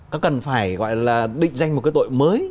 có cần phải gọi là định danh một cái tội mới